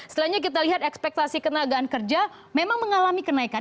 selanjutnya kita lihat ekspektasi ketenagaan kerja memang mengalami kenaikan